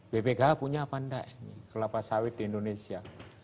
bpkh punya apa enggak ini kelapa sawit di indonesia